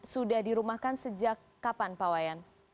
sudah di rumahkan sejak kapan pak wayan